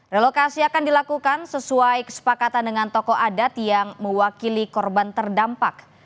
relokasi akan dilakukan sesuai kesepakatan dengan tokoh adat yang mewakili korban terdampak